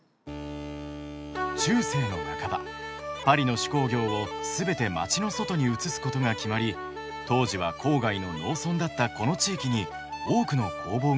中世の半ばパリの手工業をすべて街の外に移すことが決まり当時は郊外の農村だったこの地域に多くの工房が立ち並びました。